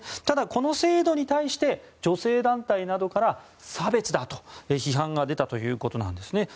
ただ、この制度に対して女性団体などから差別だと批判が出たということです。